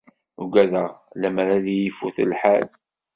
Ugadeɣ lemmer ad yili ifut lḥal.